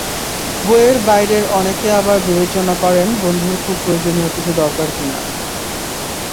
বইয়ের বাইরে অনেকে আবার বিবেচেনা করেন বন্ধুর খুব প্রয়োজনীয় কিছু দরকার কিনা।